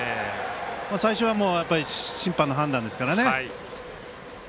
最後は、やっぱり審判の判断ですからね。